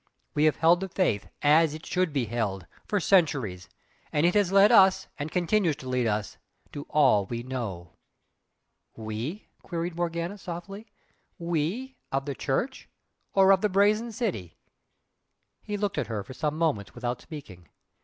We have held the faith, AS IT SHOULD BE HELD, for centuries, and it has led us, and continues to lead us, to all we know." "We?" queried Morgana, softly "WE of the Church? or of the Brazen City?" He looked at her for some moments without speaking.